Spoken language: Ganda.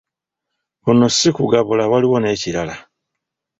Kuno si kugabula waliyo n'ekirala!